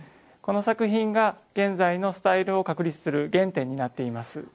この作品が現在のスタイルを確立する原点になっています。